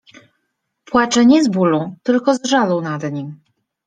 Płacze nie z bólu, tylko z żalu nad nim.